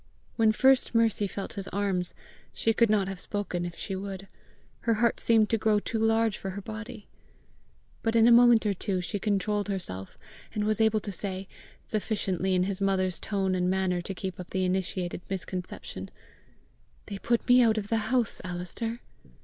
When first Mercy felt his arms, she could not have spoken if she would her heart seemed to grow too large for her body. But in a moment or two she controlled herself, and was able to say sufficiently in his mother's tone and manner to keep up the initiated misconception: "They put me out of the house, Alister."